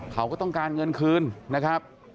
เขาก็ต้องการเงินคืนนะครับ